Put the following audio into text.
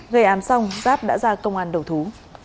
gây án xong giáp đã ra công an đầu thú